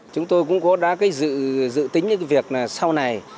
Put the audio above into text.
chúng tôi cũng đã dự tính việc sau này